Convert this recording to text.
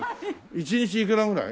１日いくらぐらい？